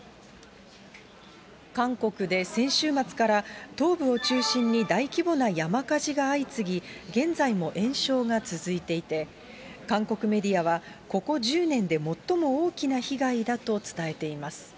韓国で先週末から東部を中心に大規模な山火事が相次ぎ、現在も延焼が続いていて、韓国メディアは、ここ１０年で最も大きな被害だと伝えています。